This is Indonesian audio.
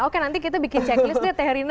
oke nanti kita bikin checklist deh teh rina